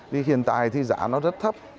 thì hiện tại thì giá nó rất thấp